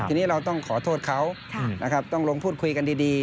ทีนี้เราต้องขอโทษเขานะครับต้องลงพูดคุยกันดี